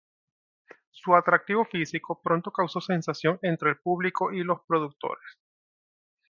Su atractivo físico pronto causó sensación entre el público y los productores.